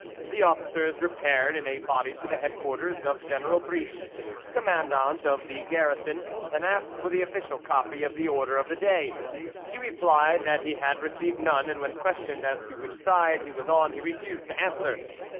The officers repaired in a body to the headquarters of General Briche, commandant of the garrison, and asked for the official copy of the order of the day. He replied that he had received none, and when questioned as to which side he was on he refused to answer.